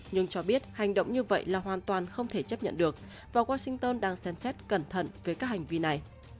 nhưng cho biết hành động như vậy là hoàn toàn không thể chấp nhận được và washington đang xem xét cẩn thận về các hành vi này